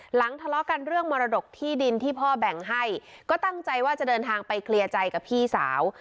ทะเลาะกันเรื่องมรดกที่ดินที่พ่อแบ่งให้ก็ตั้งใจว่าจะเดินทางไปเคลียร์ใจกับพี่สาว